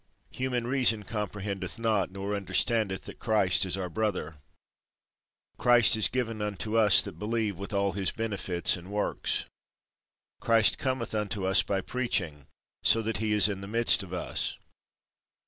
Human reason comprehendeth not, nor understandeth that Christ is our brother. Christ is given unto us that believe with all his benefits and works. Christ cometh unto us by preaching, so that he is in the midst of us.